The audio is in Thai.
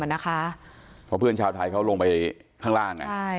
เพราะเพื่อนชาวไทยเขาลงไปข้างล่าง